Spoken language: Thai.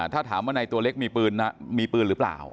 ถ้าถามว่าในตัวเล็กมีปืนมีปืนหรือเปล่า